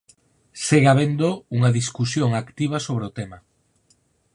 Segue habendo unha discusión activa sobre o tema.